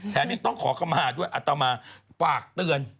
แถมนี้ต้องขอขมาด้วยอาตมาฝากเตือน